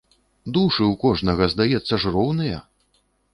Душы ў кожнага, здаецца ж, роўныя!